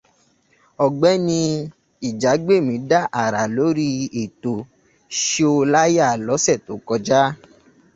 Ọ̀gbẹ́ni Ìjágbèmí dá àrá lórí ètò 'Ṣé o láyà' lọ̀sẹ̀ tó kọjá.